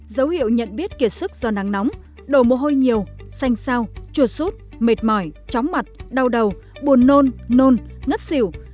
dấu hiệu nhận biết kiệt sức do nắng nóng đổ mồ hôi nhiều xanh sao chuột sút mệt mỏi chóng mặt đau đầu buồn nôn nôn ngất xỉu